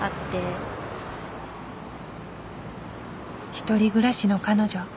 １人暮らしの彼女。